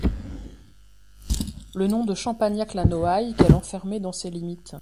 Le nom de Champagnac-la-Noaille qu'elle enfermait dans ses limites.